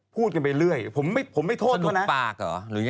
พูดกันไปเรื่อยผมไม่โทษเขานะ